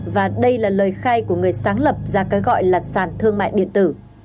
và đây là lời khai của người sáng lập ra cái gọi là sàn thương mại điện tử